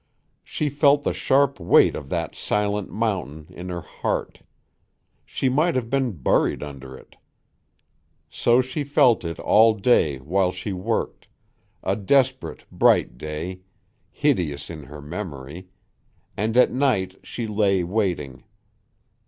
She felt the sharp weight of that silent mountain in her heart; she might have been buried under it. So she felt it all day while she worked, a desperate, bright day, hideous in her memory, and at night she lay waiting.